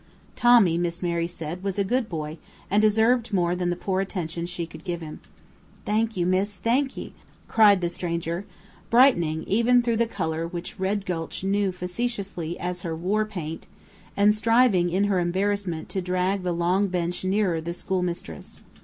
Tommy, Miss Mary said, was a good boy, and deserved more than the poor attention she could give him. "Thank you, miss; thank ye!" cried the stranger, brightening even through the color which Red Gulch knew facetiously as her "war paint," and striving, in her embarrassment, to drag the long bench nearer the schoolmistress.